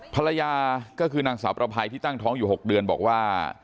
ภรรยาก็คือนางสาวประภัยที่ตั้งท้องอยู่๖เดือนบอกว่า